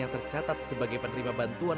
yang tercatat sebagai penerima bantuan